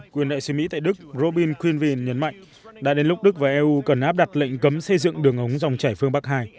quyền đại sứ mỹ tại đức robin cunvin nhấn mạnh đã đến lúc đức và eu cần áp đặt lệnh cấm xây dựng đường ống dòng chảy phương bắc hai